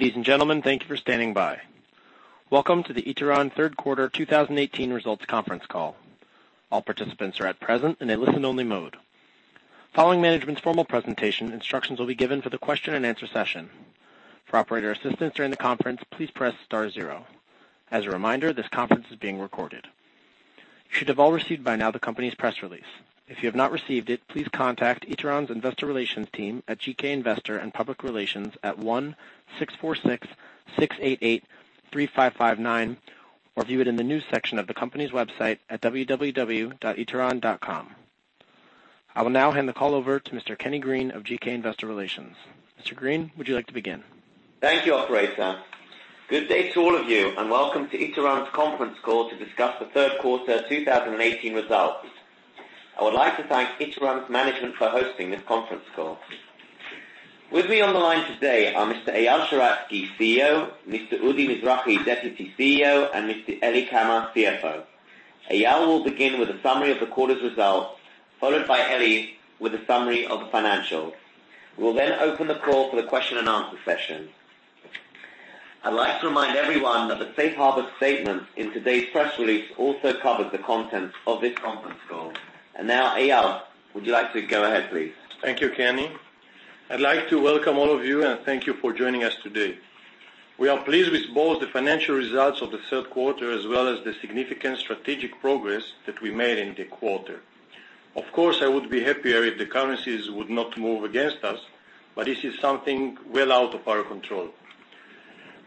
Ladies and gentlemen, thank you for standing by. Welcome to the Ituran third quarter 2018 results conference call. All participants are at present and in listen-only mode. Following management's formal presentation, instructions will be given for the question-and-answer session. For operator assistance during the conference, please press star zero. As a reminder, this conference is being recorded. You should have all received by now the company's press release. If you have not received it, please contact Ituran's investor relations team at GK Investor & Public Relations at 1-646-688-3559 or view it in the news section of the company's website at www.ituran.com. I will now hand the call over to Mr. Kenny Green of GK Investor Relations. Mr. Green, would you like to begin? Thank you, operator. Good day to all of you, and welcome to Ituran's conference call to discuss the third quarter 2018 results. I would like to thank Ituran's management for hosting this conference call. With me on the line today are Mr. Eyal Sheratzky, CEO, Mr. Udi Mizrahi, Deputy CEO, and Mr. Eli Kamer, CFO. Eyal will begin with a summary of the quarter's results, followed by Eli with a summary of the financials. We'll then open the call for the question-and-answer session. I'd like to remind everyone that the safe harbor statement in today's press release also covers the contents of this conference call. Now, Eyal, would you like to go ahead, please? Thank you, Kenny. I'd like to welcome all of you and thank you for joining us today. We are pleased with both the financial results of the third quarter as well as the significant strategic progress that we made in the quarter. Of course, I would be happier if the currencies would not move against us, but this is something well out of our control.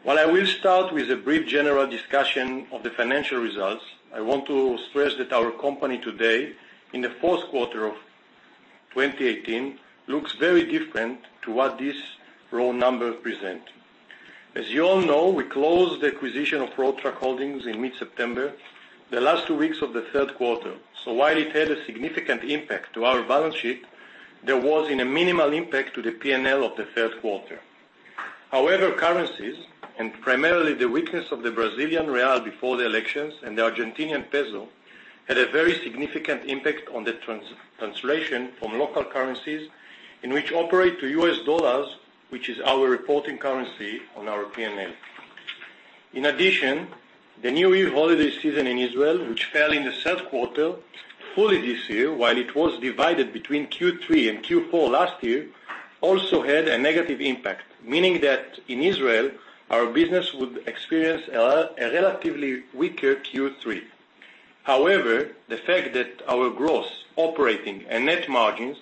While I will start with a brief general discussion of the financial results, I want to stress that our company today, in the fourth quarter of 2018, looks very different to what these raw numbers present. As you all know, we closed the acquisition of Road Track Holdings in mid-September, the last two weeks of the third quarter. While it had a significant impact to our balance sheet, there was in a minimal impact to the P&L of the third quarter. Currencies, and primarily the weakness of the Brazilian real before the elections and the Argentinian peso, had a very significant impact on the translation from local currencies in which operate to U.S. dollars, which is our reporting currency on our P&L. In addition, the New Year holiday season in Israel, which fell in the third quarter fully this year, while it was divided between Q3 and Q4 last year, also had a negative impact, meaning that in Israel, our business would experience a relatively weaker Q3. The fact that our gross operating and net margins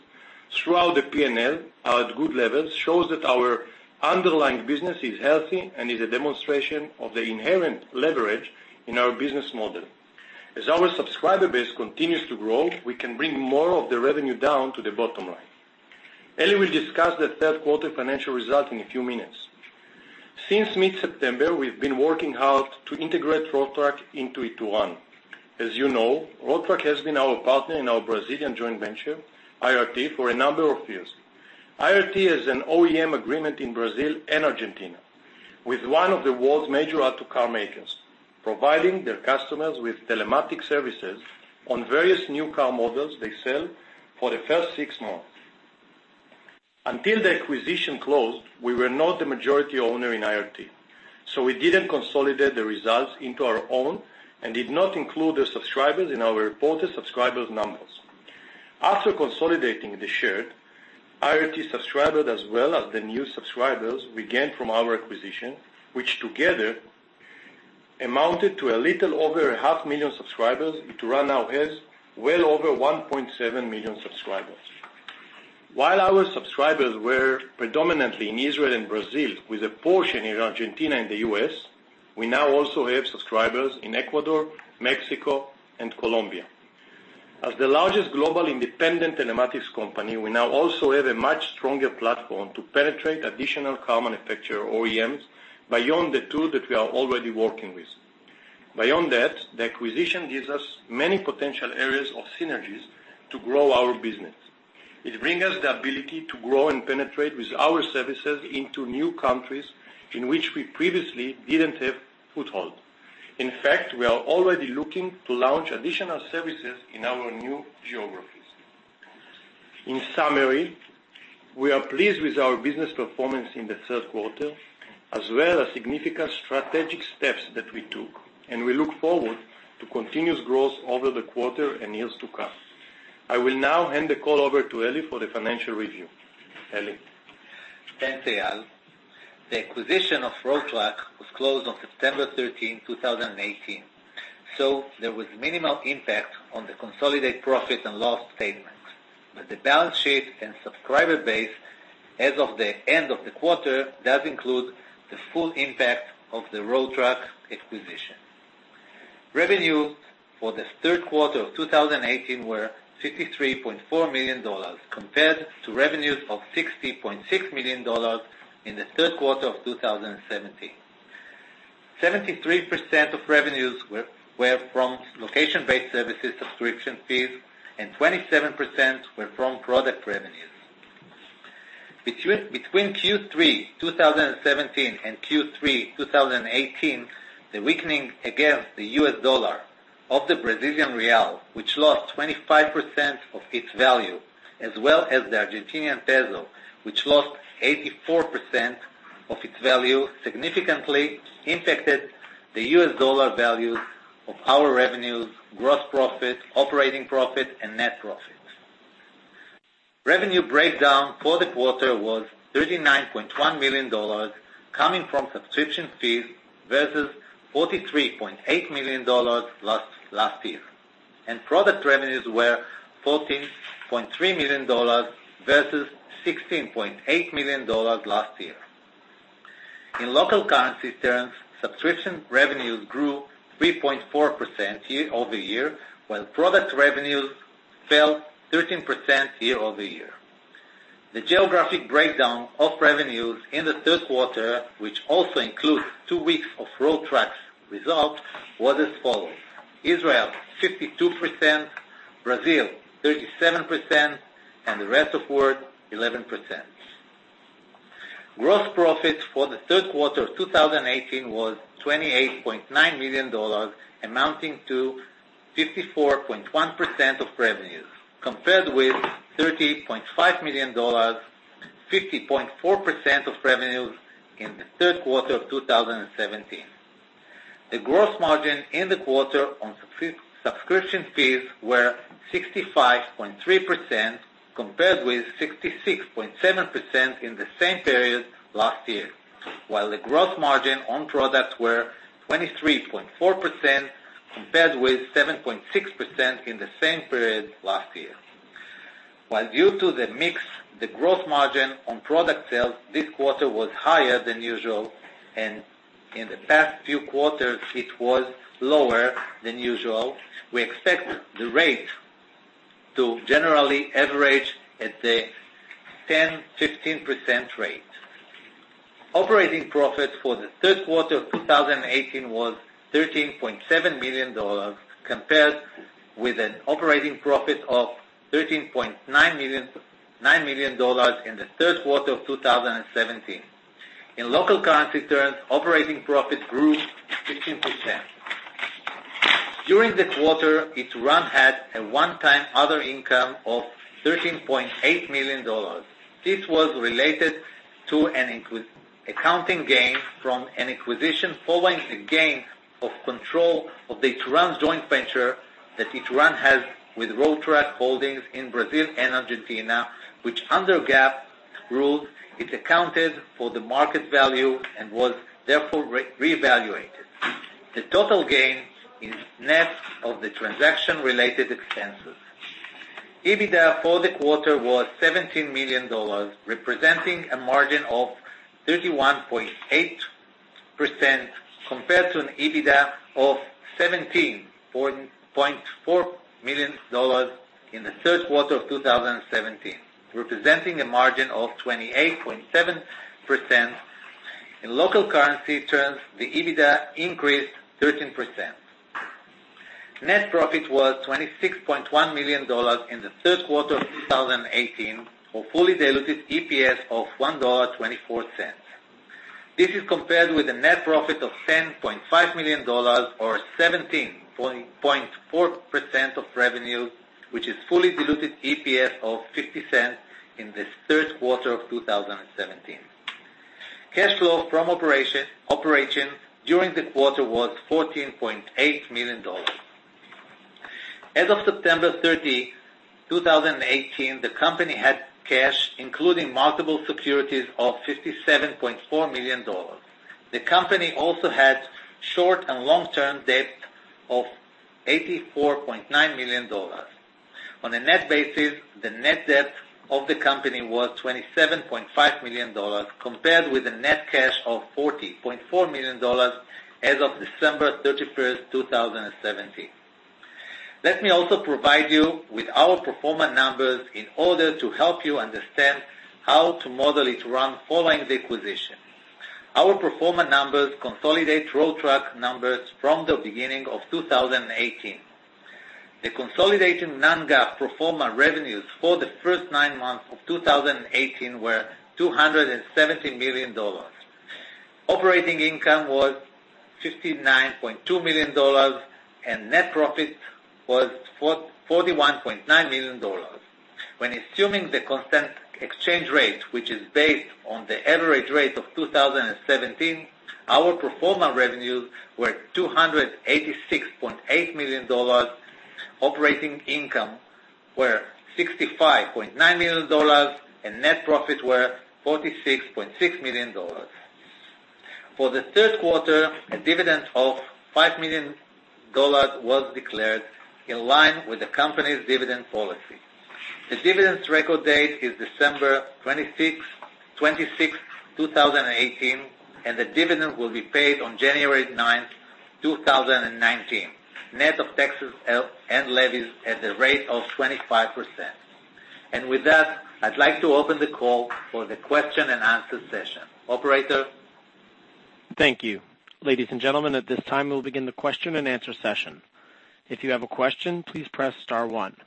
throughout the P&L are at good levels shows that our underlying business is healthy and is a demonstration of the inherent leverage in our business model. As our subscriber base continues to grow, we can bring more of the revenue down to the bottom line. Eli will discuss the third quarter financial result in a few minutes. Since mid-September, we've been working hard to integrate Road Track into Ituran. As you know, Road Track has been our partner in our Brazilian joint venture, IRT, for a number of years. IRT has an OEM agreement in Brazil and Argentina with one of the world's major auto car makers, providing their customers with telematics services on various new car models they sell for the first six months. Until the acquisition closed, we were not the majority owner in IRT, so we didn't consolidate the results into our own and did not include the subscribers in our reported subscribers numbers. After consolidating the shared, IRT subscribers as well as the new subscribers we gained from our acquisition, which together amounted to a little over a half million subscribers, Ituran now has well over 1.7 million subscribers. While our subscribers were predominantly in Israel and Brazil, with a portion in Argentina and the U.S., we now also have subscribers in Ecuador, Mexico, and Colombia. As the largest global independent telematics company, we now also have a much stronger platform to penetrate additional car manufacturer OEMs beyond the two that we are already working with. Beyond that, the acquisition gives us many potential areas of synergies to grow our business. It bring us the ability to grow and penetrate with our services into new countries in which we previously didn't have foothold. In fact, we are already looking to launch additional services in our new geographies. In summary, we are pleased with our business performance in the third quarter, as well as significant strategic steps that we took, we look forward to continuous growth over the quarter and years to come. I will now hand the call over to Eli for the financial review. Eli? Thanks, Eyal. The acquisition of Road Track was closed on September 13th, 2018, there was minimal impact on the consolidated profit and loss statement. The balance sheet and subscriber base as of the end of the quarter does include the full impact of the Road Track acquisition. Revenue for the third quarter of 2018 were $53.4 million, compared to revenues of $60.6 million in the third quarter of 2017. 73% of revenues were from location-based services subscription fees, and 27% were from product revenues. Between Q3 2017 and Q3 2018, the weakening against the U.S. dollar The Brazilian real, which lost 25% of its value, as well as the Argentinian peso, which lost 84% of its value, significantly impacted the U.S. dollar values of our revenues, gross profit, operating profit, and net profit. Revenue breakdown for the quarter was $39.1 million, coming from subscription fees versus $43.8 million last year. Product revenues were $14.3 million versus $16.8 million last year. In local currency terms, subscription revenues grew 3.4% year-over-year, while product revenues fell 13% year-over-year. The geographic breakdown of revenues in the third quarter, which also includes two weeks of Road Track's results, was as follows: Israel 52%, Brazil 37%, and the rest of world 11%. Gross profit for the third quarter of 2018 was $28.9 million, amounting to 54.1% of revenues, compared with $30.5 million, 50.4% of revenues in the third quarter of 2017. The gross margin in the quarter on subscription fees were 65.3%, compared with 66.7% in the same period last year. The gross margin on products were 23.4%, compared with 7.6% in the same period last year. Due to the mix, the gross margin on product sales this quarter was higher than usual, and in the past few quarters, it was lower than usual, we expect the rate to generally average at the 10%-15% rate. Operating profit for the third quarter of 2018 was $13.7 million, compared with an operating profit of $13.9 million in the third quarter of 2017. In local currency terms, operating profit grew 15%. During the quarter, Ituran had a one-time other income of $13.8 million. This was related to an accounting gain from an acquisition following a gain of control of the Ituran joint venture that Ituran has with Road Track Holdings in Brazil and Argentina, which under GAAP rules, it accounted for the market value and was therefore reevaluated. The total gain is net of the transaction-related expenses. EBITDA for the quarter was $17 million, representing a margin of 31.8%, compared to an EBITDA of $17.4 million in the third quarter of 2017, representing a margin of 28.7%. In local currency terms, the EBITDA increased 13%. Net profit was $26.1 million in the third quarter of 2018, for fully diluted EPS of $1.24. This is compared with a net profit of $10.5 million or 17.4% of revenue, which is fully diluted EPS of $0.50 in the third quarter of 2017. Cash flow from operation during the quarter was $14.8 million. As of September 30, 2018, the company had cash, including marketable securities, of $57.4 million. The company also had short and long-term debt of $84.9 million. On a net basis, the net debt of the company was $27.5 million, compared with a net cash of $40.4 million as of December 31st, 2017. Let me also provide you with our pro forma numbers in order to help you understand how to model Ituran following the acquisition. Our pro forma numbers consolidate Road Track numbers from the beginning of 2018. The consolidated non-GAAP pro forma revenues for the first nine months of 2018 were $270 million. Operating income was $59.2 million. Net profit was $41.9 million. When assuming the constant exchange rate, which is based on the average rate of 2017, our pro forma revenues were $286.8 million, operating income were $65.9 million, and net profit were $46.6 million. For the third quarter, a dividend of $5 million was declared in line with the company's dividend policy. The dividend's record date is December 26th, 2018, and the dividend will be paid on January 9th, 2019, net of taxes and levies at the rate of 25%. With that, I'd like to open the call for the question-and-answer session. Operator? Thank you. Ladies and gentlemen, at this time, we'll begin the question-and-answer session. If you have a question, please press star one.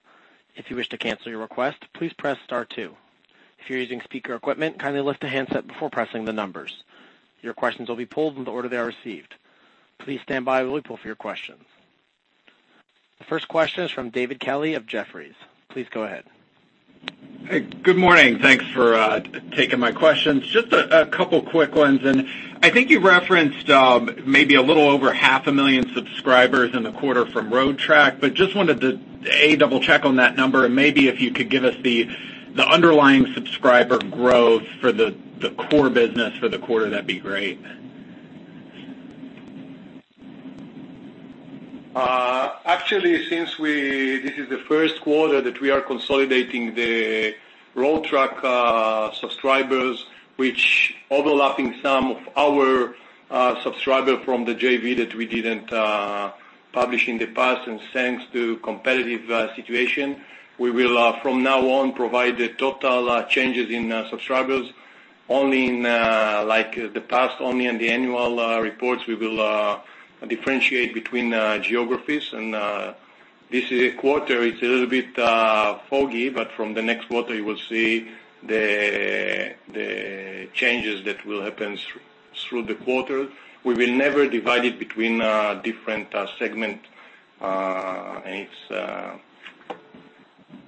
If you wish to cancel your request, please press star two. If you're using speaker equipment, kindly lift the handset before pressing the numbers. Your questions will be pulled in the order they are received. Please stand by while we pull for your questions. The first question is from David Kelley of Jefferies. Please go ahead. Hey, good morning. Thanks for taking my questions. Just a couple quick ones. I think you referenced maybe a little over half a million subscribers in the quarter from Road Track, but just wanted to, A, double check on that number, and maybe if you could give us the underlying subscriber growth for the core business for the quarter, that'd be great. Actually, since this is the first quarter that we are consolidating the Road Track subscribers, which overlapping some of our subscriber from the JV that we didn't publish in the past, thanks to competitive situation, we will, from now on, provide the total changes in subscribers only in the past. Only in the annual reports we will differentiate between geographies. This quarter is a little bit foggy, but from the next quarter, you will see the changes that will happen through the quarter. We will never divide it between different segments. It's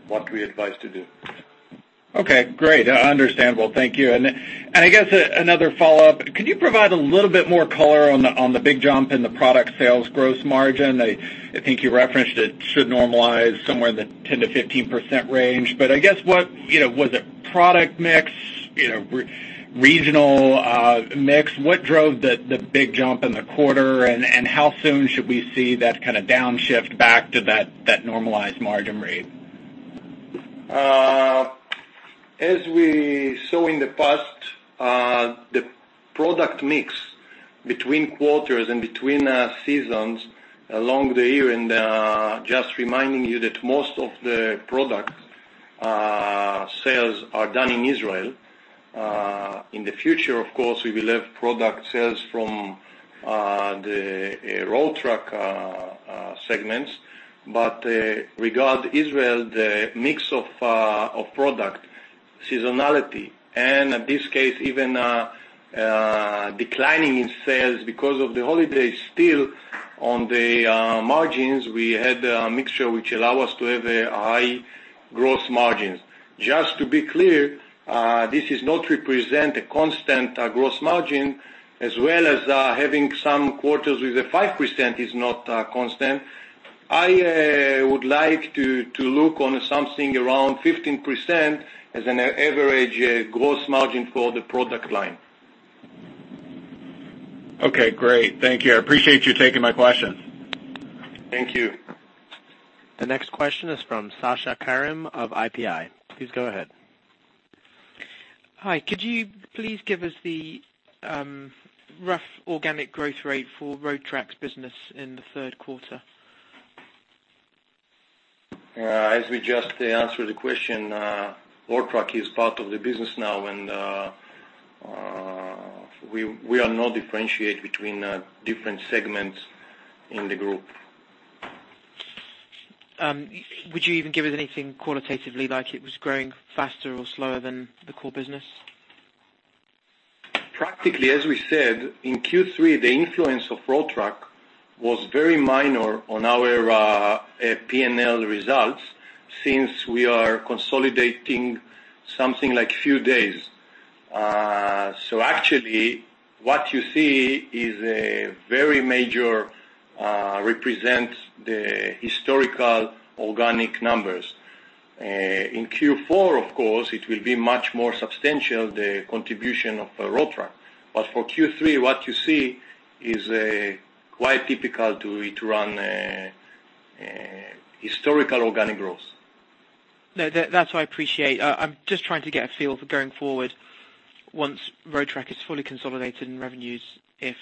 what we advise to do. Okay, great. Understandable. Thank you. I guess, another follow-up. Could you provide a little bit more color on the big jump in the product sales gross margin? I think you referenced it should normalize somewhere in the 10%-15% range. I guess, was it product mix, regional mix? What drove the big jump in the quarter, and how soon should we see that kind of downshift back to that normalized margin rate? As we saw in the past, the product mix between quarters and between seasons along the year, just reminding you that most of the product sales are done in Israel. In the future, of course, we will have product sales from the Road Track segments. Regard Israel, the mix of product seasonality, and in this case, even declining in sales because of the holiday, still on the margins, we had a mixture which allow us to have a high gross margins. Just to be clear, this is not represent a constant gross margin as well as having some quarters with a 5% is not constant. I would like to look on something around 15% as an average gross margin for the product line. Okay, great. Thank you. I appreciate you taking my questions. Thank you. The next question is from Sasha Karim of IPI. Please go ahead. Hi. Could you please give us the rough organic growth rate for Road Track's business in the third quarter? As we just answered the question, RoadTrack is part of the business now, and we are not differentiate between different segments in the group. Would you even give us anything qualitatively, like it was growing faster or slower than the core business? Practically, as we said, in Q3, the influence of Road Track was very minor on our P&L results since we are consolidating something like few days. Actually, what you see is a very major represent the historical organic numbers. In Q4, of course, it will be much more substantial, the contribution of Road Track. For Q3, what you see is quite typical to Ituran historical organic growth. No. That's what I appreciate. I'm just trying to get a feel for going forward, once Road Track is fully consolidated in revenues, if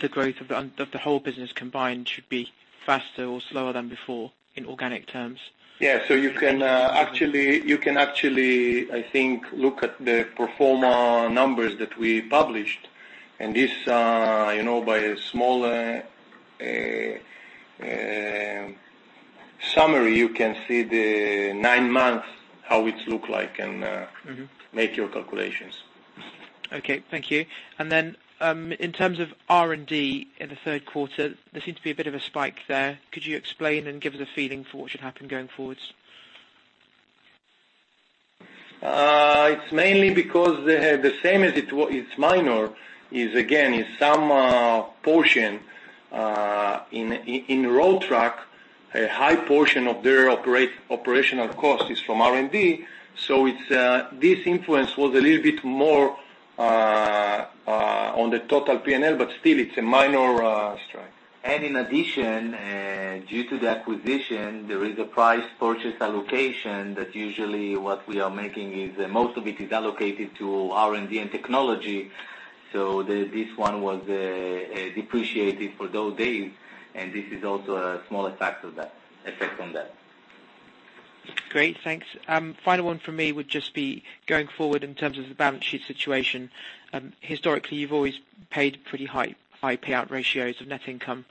the growth of the whole business combined should be faster or slower than before in organic terms. Yeah. You can actually, I think, look at the pro forma numbers that we published. This, by a small summary, you can see the nine months, how it look like, and Make your calculations. Okay. Thank you. Then, in terms of R&D in the third quarter, there seemed to be a bit of a spike there. Could you explain and give us a feeling for what should happen going forwards? It's mainly because the same as it's minor, is again, is some portion in Road Track, a high portion of their operational cost is from R&D. This influence was a little bit more on the total P&L, but still it's a minor strike. In addition, due to the acquisition, there is a purchase price allocation that usually what we are making is most of it is allocated to R&D and technology. This one was depreciated for those days, and this is also a small effect on that. Great. Thanks. Final one from me would just be, going forward in terms of the balance sheet situation, historically, you've always paid pretty high payout ratios of net income,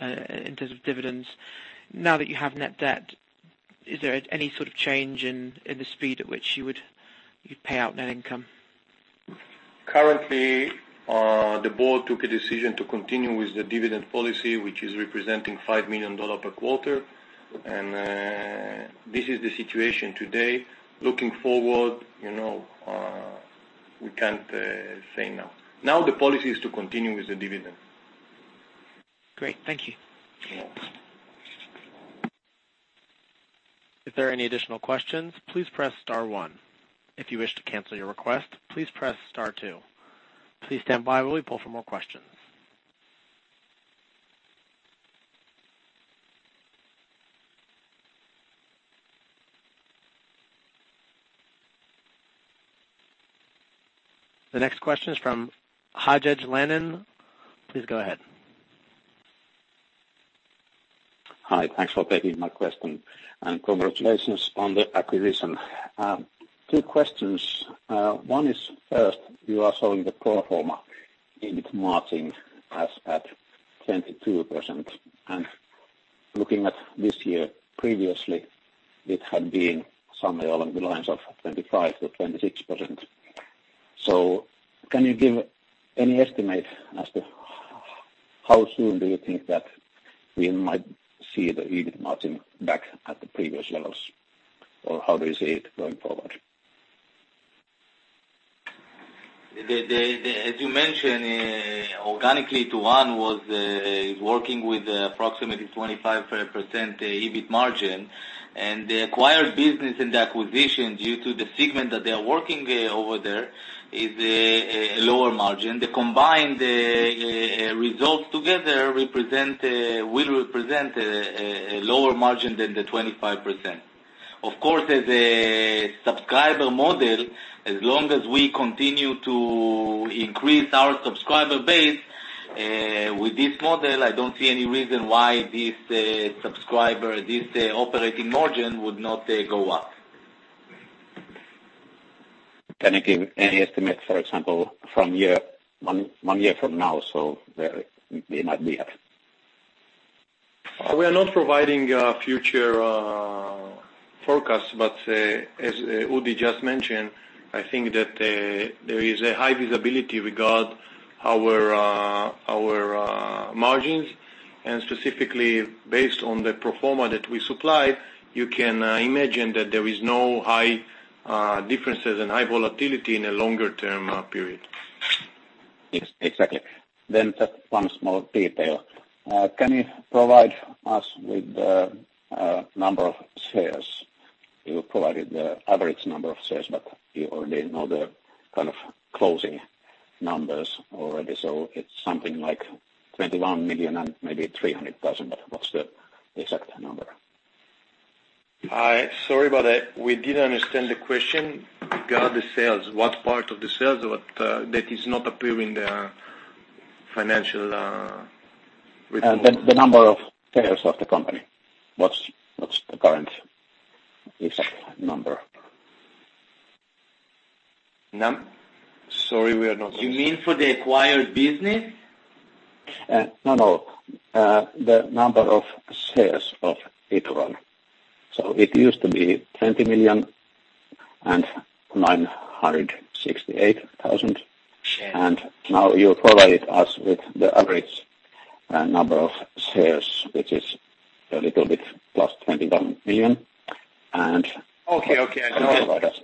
in terms of dividends. Now that you have net debt, is there any sort of change in the speed at which you would pay out net income? Currently, the board took a decision to continue with the dividend policy, which is representing $5 million per quarter. This is the situation today, looking forward, we can't say now. The policy is to continue with the dividend. Great. Thank you. You're welcome. If there are any additional questions, please press star one. If you wish to cancel your request, please press star two. Please stand by while we pull for more questions. The next question is from Hajed Lennon. Please go ahead. Hi. Thanks for taking my question, and congratulations on the acquisition. Two questions. One is, first, you are showing the pro forma in margin as at 22%, and looking at this year previously, it had been somewhere along the lines of 25%-25%. Can you give any estimate as to how soon do you think that we might see the EBIT margin back at the previous levels? How do you see it going forward? As you mentioned, organically, Ituran was working with approximately 25% EBIT margin, and the acquired business and the acquisition, due to the segment that they are working over there, is a lower margin. The combined results together will represent a lower margin than the 25%. Of course, as a subscriber model, as long as we continue to increase our subscriber base, with this model, I don't see any reason why this operating margin would not go up. Can you give any estimate, for example, one year from now, where we might be at? We are not providing future forecasts, as Udi just mentioned, I think that there is a high visibility regarding our margins, and specifically based on the pro forma that we supply, you can imagine that there is no high differences and high volatility in a longer-term period. Yes. Exactly. Just one small detail. Can you provide us with the number of shares? You provided the average number of shares, but you already know the kind of closing numbers already. It's something like 21 million and maybe 300,000. What's the exact number? Sorry about that. We didn't understand the question. Regarding the sales, what part of the sales that is not appearing in the financial report? The number of shares of the company. What's the current exact number? Sorry, we are not- You mean for the acquired business? No, the number of shares of Ituran. It used to be 20,968,000. Share. Now you provided us with the average number of shares, which is a little bit +21 million. Okay. I get. How about that?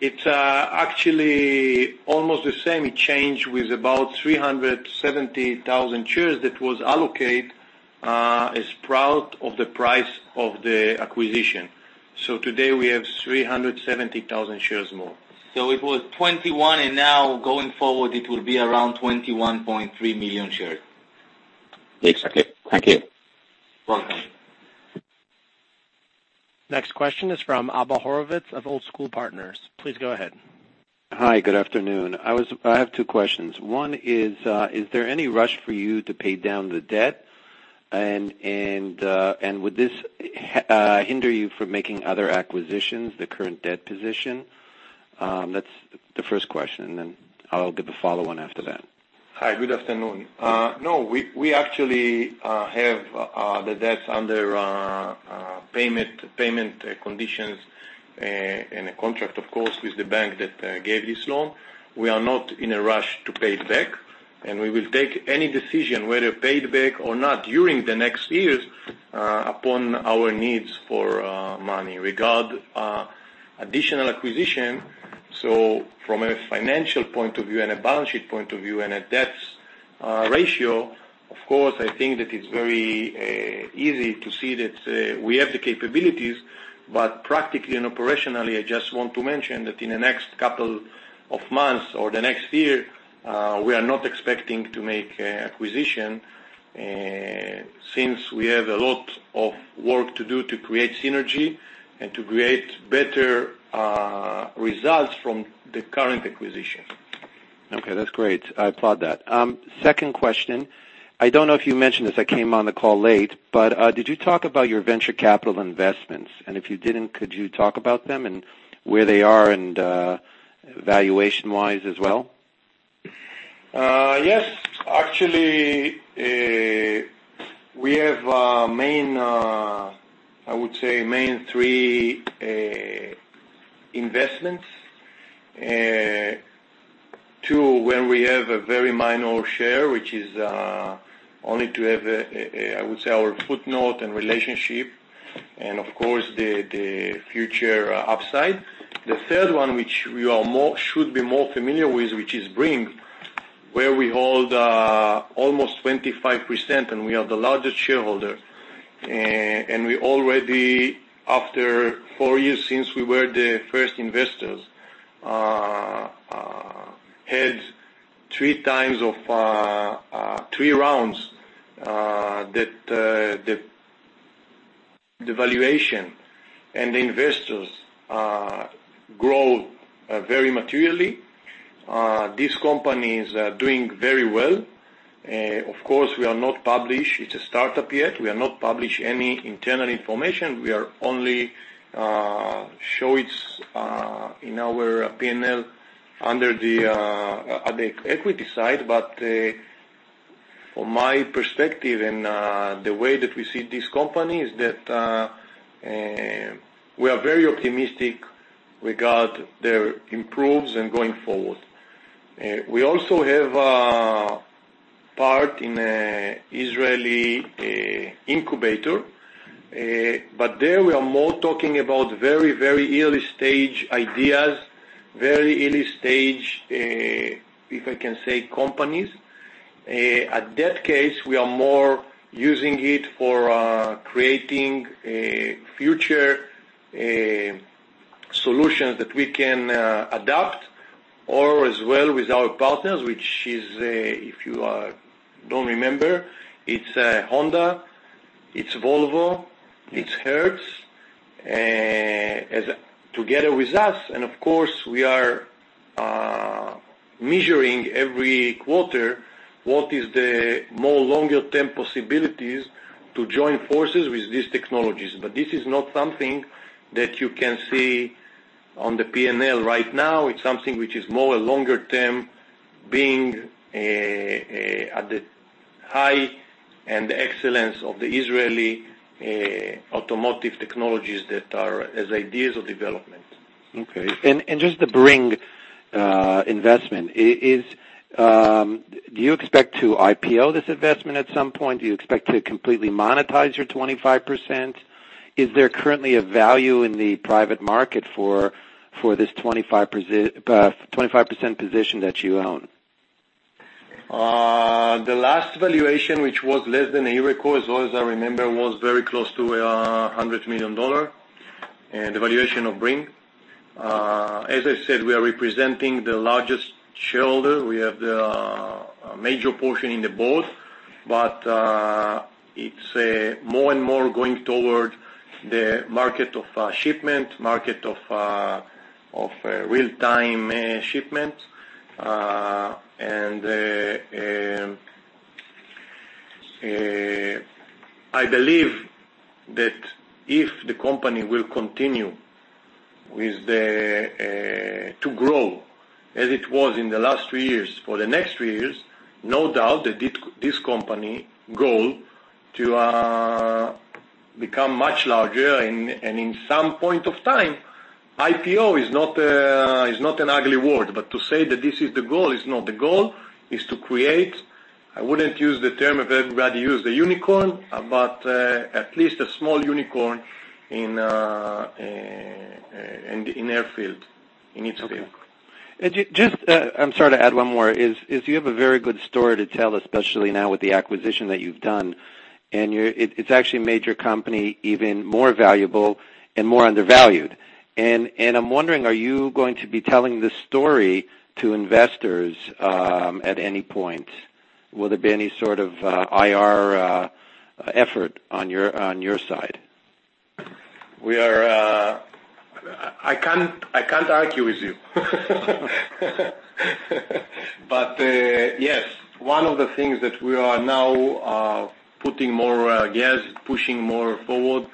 It's actually almost the same. It changed with about 370,000 shares that was allocated as part of the price of the acquisition. Today, we have 370,000 shares more. It was 21 million, and now going forward it will be around 21.3 million shares. Exactly. Thank you. Welcome. Next question is from Abba Horwitz of Old School Partners. Please go ahead. Hi, good afternoon. I have two questions. One is there any rush for you to pay down the debt? Would this hinder you from making other acquisitions, the current debt position? That's the first question. I'll give the follow one after that. Hi, good afternoon. No, we actually have the debts under payment conditions and a contract, of course, with the bank that gave this loan. We are not in a rush to pay it back. We will take any decision whether to pay it back or not during the next years, upon our needs for money regard additional acquisition. From a financial point of view and a balance sheet point of view and a debt ratio, of course, I think that it's very easy to see that we have the capabilities. Practically and operationally, I just want to mention that in the next couple of months or the next year, we are not expecting to make acquisition, since we have a lot of work to do to create synergy and to create better results from the current acquisition. Okay. That's great. I applaud that. Second question. I don't know if you mentioned this, I came on the call late. Did you talk about your venture capital investments? If you didn't, could you talk about them and where they are and, valuation-wise as well? Yes. Actually, we have, I would say, main three investments. Two, where we have a very minor share, which is only to have, I would say, our footnote and relationship, and of course, the future upside. The third one, which you should be more familiar with, which is Bringg, where we hold almost 25%, and we are the largest shareholder. We already, after four years since we were the first investors, had three rounds that the valuation and the investors grow very materially. This company is doing very well. Of course, we are not published. It's a startup yet. We are not published any internal information. We are only show it in our P&L at the equity side. From my perspective, and the way that we see this company, is that we are very optimistic regard their improves and going forward. We also have a part in a Israeli incubator, but there we are more talking about very early-stage ideas, very early-stage, if I can say, companies. At that case, we are more using it for creating future solutions that we can adopt, or as well with our partners, which is, if you don't remember, it's Honda, it's Volvo, it's Hertz, together with us, and of course, we are measuring every quarter what is the more longer-term possibilities to join forces with these technologies. This is not something that you can see on the P&L right now. It's something which is more a longer term, being at the high and excellence of the Israeli automotive technologies that are as ideas of development. Okay. Just the Bringg investment, do you expect to IPO this investment at some point? Do you expect to completely monetize your 25%? Is there currently a value in the private market for this 25% position that you own? The last valuation, which was less than a year ago, as far as I remember, was very close to $100 million, the valuation of Bringg. As I said, we are representing the largest shareholder. We have the major portion in the board, but it's more and more going toward the market of shipment, market of real-time shipment. I believe that if the company will continue to grow as it was in the last three years, for the next three years, no doubt that this company goal to become much larger, and in some point of time, IPO is not an ugly word. To say that this is the goal, it's not. The goal is to create, I wouldn't use the term everybody use, the unicorn, but at least a small unicorn in its field. Okay. I'm sorry to add one more. You have a very good story to tell, especially now with the acquisition that you've done, and it's actually made your company even more valuable and more undervalued. I'm wondering, are you going to be telling this story to investors at any point? Will there be any sort of IR effort on your side? I can't argue with you. Yes. One of the things that we are now putting more gas, pushing more forward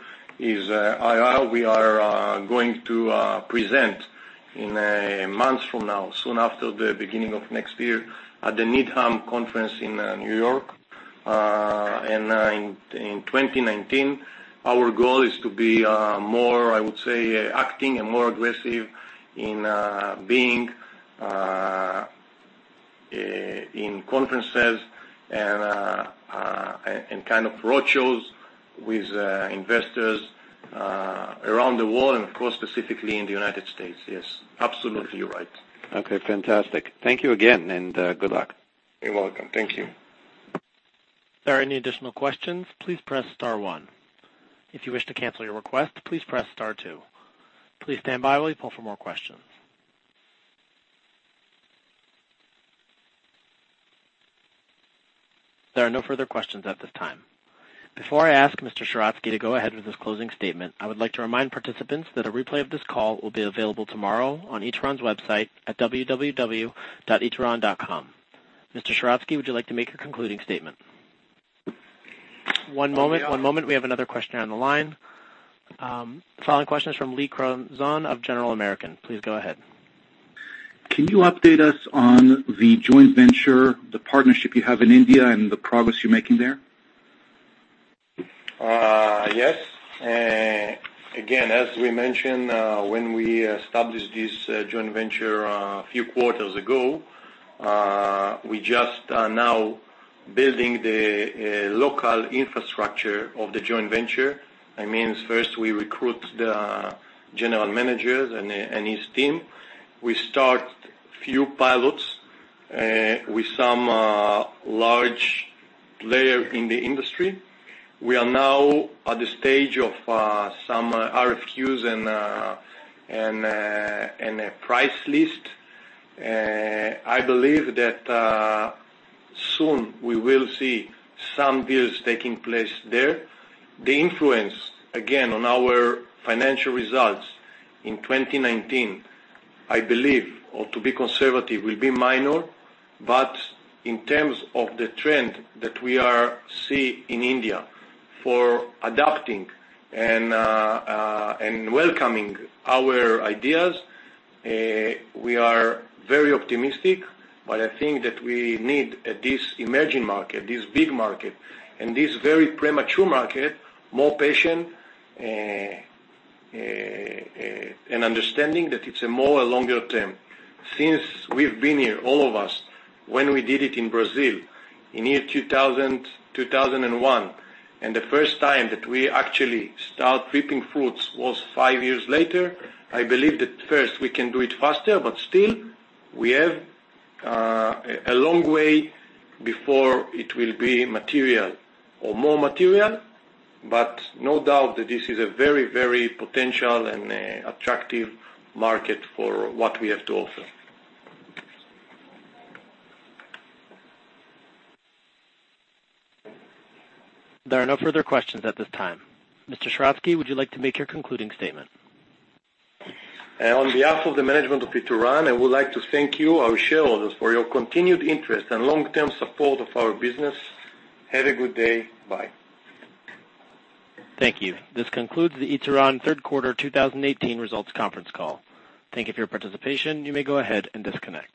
is IR. We are going to present in a month from now, soon after the beginning of next year, at the Needham Conference in N.Y. In 2019, our goal is to be more, I would say, acting and more aggressive in being in conferences and kind of roadshows with investors around the world and, of course, specifically in the U.S. Yes, absolutely right. Okay. Fantastic. Thank you again, and good luck. You're welcome. Thank you. If there are any additional questions, please press star one. If you wish to cancel your request, please press star two. Please stand by while we pull for more questions. There are no further questions at this time. Before I ask Mr. Sheratzky to go ahead with his closing statement, I would like to remind participants that a replay of this call will be available tomorrow on Ituran's website at www.ituran.com. Mr. Sheratzky, would you like to make a concluding statement? One moment. We have another question on the line. Following question is from Lee Kronzon of General American. Please go ahead. Can you update us on the joint venture, the partnership you have in India, and the progress you're making there? Yes. Again, as we mentioned, when we established this joint venture a few quarters ago, we just are now building the local infrastructure of the joint venture. That means first we recruit the general managers and his team. We start few pilots, with some large player in the industry. We are now at the stage of some RFQs and a price list. I believe that, soon we will see some deals taking place there. The influence, again, on our financial results in 2019, I believe, or to be conservative, will be minor, but in terms of the trend that we see in India for adopting and welcoming our ideas, we are very optimistic. I think that we need at this emerging market, this big market, and this very premature market, more patient, and understanding that it's a more longer term. Since we've been here, all of us, when we did it in Brazil, in year 2000, 2001, and the first time that we actually start reaping fruits was five years later. I believe that first we can do it faster, but still, we have a long way before it will be material or more material. No doubt that this is a very potential and attractive market for what we have to offer. There are no further questions at this time. Mr. Sheratzky, would you like to make your concluding statement? On behalf of the management of Ituran, I would like to thank you, our shareholders, for your continued interest and long-term support of our business. Have a good day. Bye. Thank you. This concludes the Ituran third quarter 2018 results conference call. Thank you for your participation. You may go ahead and disconnect.